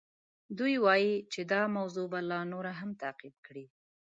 دوی وایي چې دا موضوع به لا نوره هم تعقیب کړي.